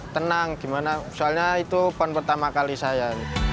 tenang gimana soalnya itu pon pertama kali saya